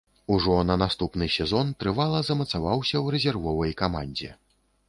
Ужо на наступны сезон трывала замацаваўся ў рэзервовай камандзе.